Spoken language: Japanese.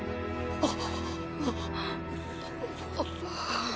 あっ。